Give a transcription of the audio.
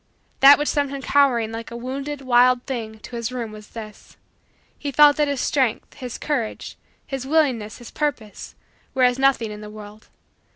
That which sent him cowering like a wounded, wild thing to his room was this: he felt that his strength, his courage, his willingness, his purpose, were as nothing in the world.